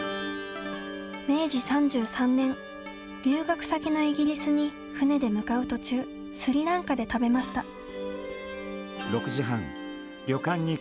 明治３３年、留学先のイギリスに船で向かう途中スリランカで食べました。